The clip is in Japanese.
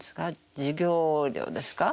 授業料ですか？